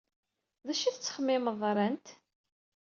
D acu ay tettxemmimed ran-t?